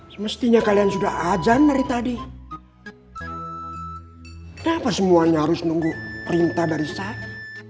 semestinya kalian sudah ajan dari tadi kenapa semuanya harus nunggu perintah dari saya